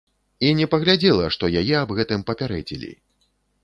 І не паглядзела, што яе аб гэтым папярэдзілі.